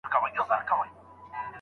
آیا مشران تر کشرانو زیاته تجربه لري؟